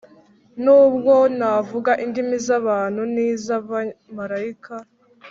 nubwo navuga indimi z abantu n iz abamarayika